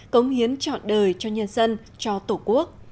cống hiến trọn đời cho nhân dân cho tổ quốc